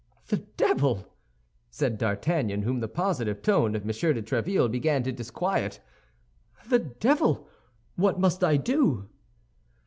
"The devil!" said D'Artagnan, whom the positive tone of M. de Tréville began to disquiet, "the devil! What must I do?"